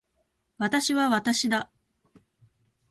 私は私だ